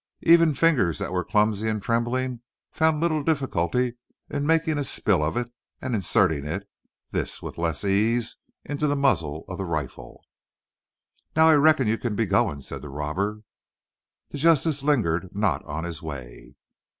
Even fingers that were clumsy and trembling found little difficulty in making a spill of it and inserting it (this with less ease) into the muzzle of the rifle. "Now I reckon you kin be goin' along," said the robber. The Justice lingered not on his way.